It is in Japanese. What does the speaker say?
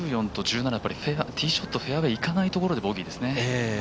１４と１５、ティーショット、フェアウエーいかないところでボギーですね。